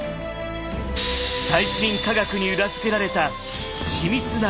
最新科学に裏付けられた緻密な技。